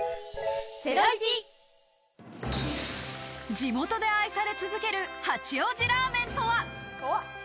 地元で愛され続ける八王子ラーメンとは？